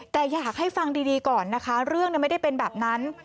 แต่อยากให้ฟังดีก่อนนะคะเรื่องไม่ได้เป็นแบบนั้น